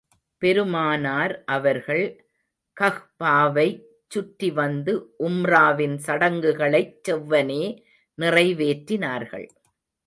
பெருமானார் அவர்கள் கஃபாவைச் சுற்றி வந்து, உம்ரா வின் சடங்குகளைச் செவ்வனே நிறைவேற்றினார்கள்.